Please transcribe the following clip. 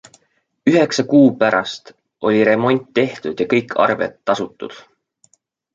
Üheksa kuu pärast oli remont tehtud ja kõik arved tasutud.